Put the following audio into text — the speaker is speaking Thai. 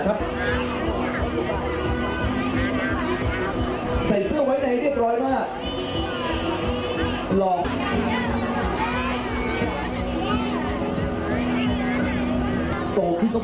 ขอบคุณครับขอบคุณครับ